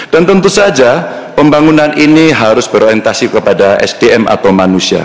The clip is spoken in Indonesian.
tentu saja pembangunan ini harus berorientasi kepada sdm atau manusia